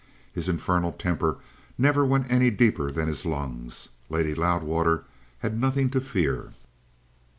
His infernal temper never went any deeper than his lungs. Lady Loudwater had nothing to fear."